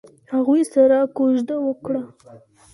هغوی سره کوژده وکړه.